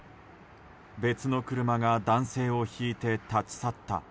別の車が男性をひいて立ち去った。